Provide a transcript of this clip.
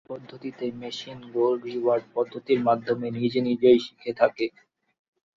এই পদ্ধতিতে machine goal reward পদ্ধতির মাধ্যমে নিজে নিজেই শিখে থাকে।